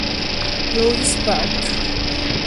Louis Park.